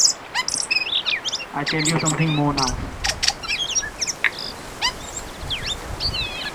I tell you something more now.